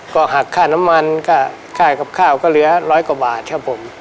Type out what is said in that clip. ก็หักค่าน้ำมันค่ากับข้าวก็เหลือร้อยกว่าบาทครับผม